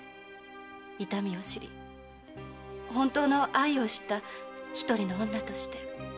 痛みを知り本当の愛を知った一人の女として。